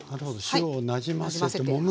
塩をなじませてもむ。